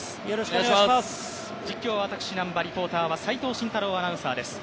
実況は私、南波、リポーターは齋藤慎太郎アナウンサーです。